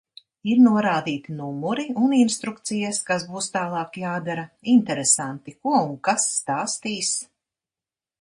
Ir norādīti numuri un instrukcijas, kas būs tālāk jādara. Interesanti, ko un kas stāstīs.